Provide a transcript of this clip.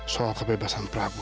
soal kebebasan prabu